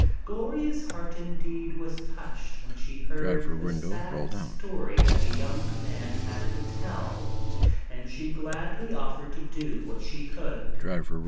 Gloria's heart indeed was touched when she heard the sad story that the young man had to tell, and she gladly offered to do what she could.